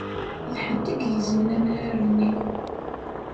D ḥedd i igezmen amrar-nni.